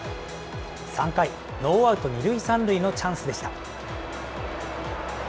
３回、ノーアウト２塁３塁のチャンスでした。